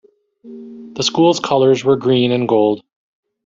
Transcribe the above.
The school's colours were green and gold.